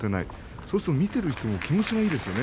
そうすると見ている人も気持ちがいいですよね。